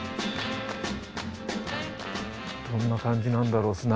どんな感じなんだろう。